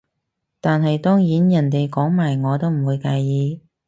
但係當然人哋講埋我都唔會介意